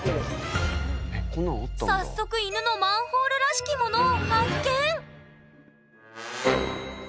早速犬のマンホールらしきものを発見！